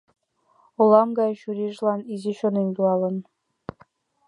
Олма гае чурийжылан изи чонем йӱлалын.